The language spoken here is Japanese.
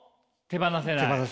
手放せない。